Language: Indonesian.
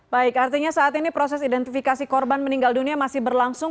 baik artinya saat ini proses identifikasi korban meninggal dunia masih berlangsung